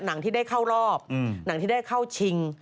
หนังที่ได้เข้ารอบหนังที่ได้เข้าชิง